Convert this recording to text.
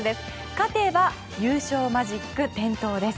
勝てば優勝マジック点灯です。